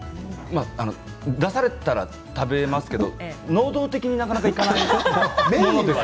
出されたら食べますけど能動的にはなかなかいかないものでは。